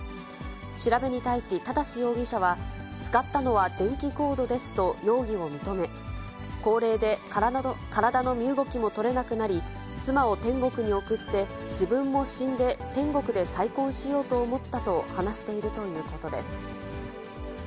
調べに対し良容疑者は、使ったのは電気コードですと容疑を認め、高齢で体の身動きも取れなくなり、妻を天国に送って、自分も死んで、天国で再婚しようと思ったと話しているということです。